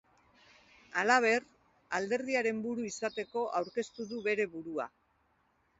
Halaber, alderdiaren buru izateko aurkeztu du bere burua.